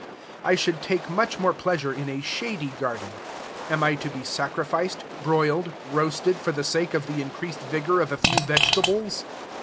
I should take much more pleasure in a shady garden. Am I to be sacrificed, broiled, roasted, for the sake of the increased vigor of a few vegetables?